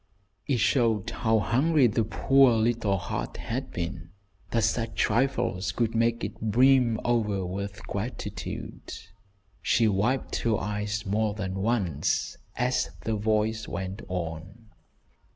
It showed how hungry the poor little heart had been, that such trifles could make it brim over with gratitude. She wiped her eyes more than once as the voice went on.